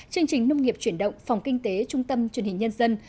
chương trình nông nghiệp chuyển động phòng kinh tế trung tâm truyền hình nhân dân